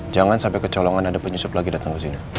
jangan sampai kecolongan ada penyusup lagi datang ke sini